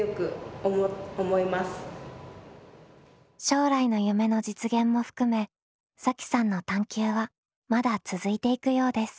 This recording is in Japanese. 将来の夢の実現も含めさきさんの探究はまだ続いていくようです。